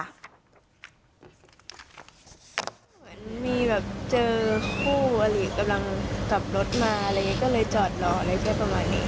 เหมือนมีแบบเจอคู่อลิกำลังขับรถมาอะไรอย่างนี้ก็เลยจอดรออะไรก็ประมาณนี้